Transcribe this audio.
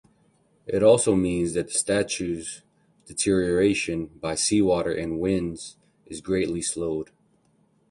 It also means that the statue's deterioration by seawater and winds is greatly slowed.